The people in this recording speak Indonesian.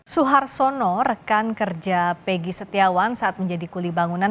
suharsono rekan kerja peggy setiawan saat menjadi kuli bangunan